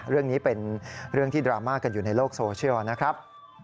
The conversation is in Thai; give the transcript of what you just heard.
เรื่องนี้เป็นเรื่องที่ดราม่ากันอยู่ในโลกโซเชียลนะครับ